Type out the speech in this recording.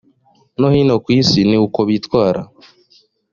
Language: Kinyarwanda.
no hino ku isi ni uko bitwara